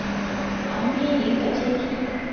旁边一个阶梯